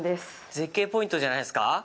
絶景ポイントじゃないですか。